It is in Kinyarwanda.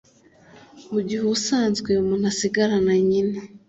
mu gihe ubusanzwe umuntu asigarana nyina